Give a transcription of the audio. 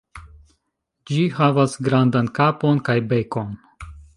Ĝi havas grandan kapon kaj bekon.